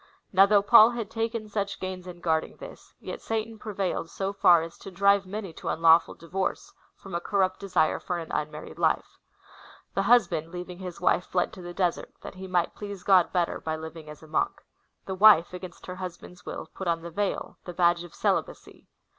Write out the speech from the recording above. Now though Paul had taken such pains in guarding this, yet Satan prevailed so far as to drivc^ many to unlawful divorce, from a corrupt desire for an unmarried life/^ The husband, leaving his wife, fled to the desert, that he might please God better by living as a monk. The wife, against her husband's will, put on the veil — tlie badge of celibacy.